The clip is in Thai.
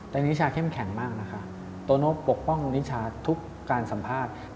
แต่นิชาเข้มแข็งมากนะคะโตโน่ปกป้องนิชาทุกการสัมภาษณ์